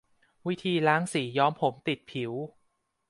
วิธีล้างสีย้อมผมติดผิว